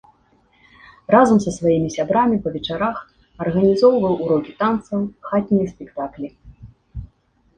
Разам са сваімі сябрамі па вечарах арганізоўваў урокі танцаў, хатнія спектаклі.